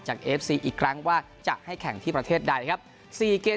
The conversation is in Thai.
เอฟซีอีกครั้งว่าจะให้แข่งที่ประเทศใดครับ๔เกม